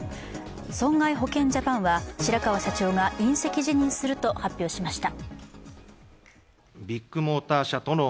損害保険ジャパンは、白川社長が引責辞任すると発表しました。